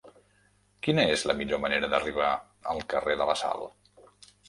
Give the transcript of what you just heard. Quina és la millor manera d'arribar al carrer de la Sal?